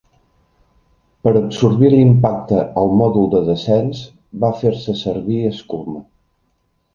Per absorbir l'impacte al mòdul de descens va fer-se servir escuma.